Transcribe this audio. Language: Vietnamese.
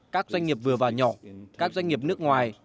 các doanh nghiệp vừa và nhỏ các doanh nghiệp nước ngoài